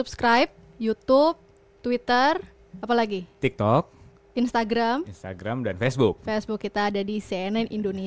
biar agak cair dulu